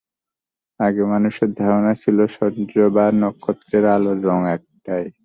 আগে মানুষের ধারণা ছিল সূর্য বা নক্ষত্রের আলোর রং একটাই।